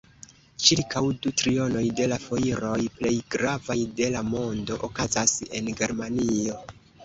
Ĉirkaŭ du trionoj de la fojroj plej gravaj de la mondo okazas en Germanio.